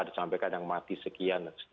disampaikan yang mati sekian